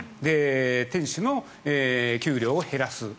店主の給料を減らす。